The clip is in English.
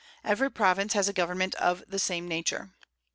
Every Province has a Government of the same Nature.